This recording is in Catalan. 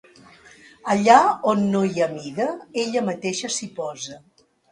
Allà on no hi ha mida, ella mateixa s'hi posa.